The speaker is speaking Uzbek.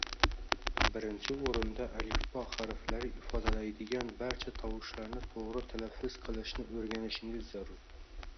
Birinchi oʻrinda alifbo harflari ifodalaydigan barcha tovushlarni toʻgʻri talaffuz qilishni oʻrganishingiz zarur